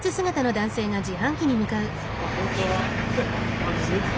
こんにちは。